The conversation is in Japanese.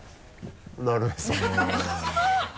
なるへそ